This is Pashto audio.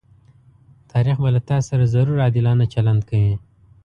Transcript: تاريخ به له تاسره ضرور عادلانه چلند کوي.